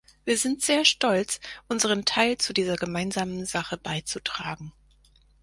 Wir sind sehr stolz, unseren Teil zu dieser gemeinsamen Sache beizutragen.